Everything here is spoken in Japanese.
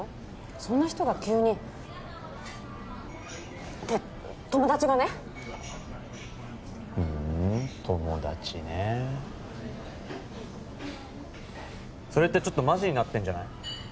そんな人が急にって友達がねふん友達ねえそれってちょっとマジになってんじゃない？